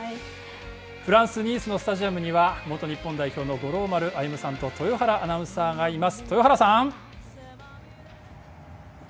フランス・ニースのスタジアムには元日本代表の五郎丸歩さんと豊原アナウンサーがいます。